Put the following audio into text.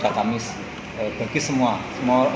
di sekolah baru dikoneksi di sekolah baru